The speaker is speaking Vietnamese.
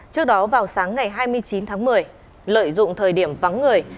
trước đó vào sáng ngày hai mươi chín tháng một mươi lợi dụng thời điểm vắng người